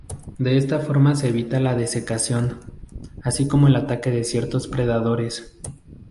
De esta forma se evita la desecación, así como el ataque de ciertos predadores.